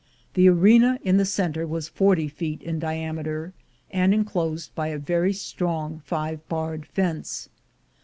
The arena in the center was forty feet in diameter, and enclosed by a very strong five barred fence.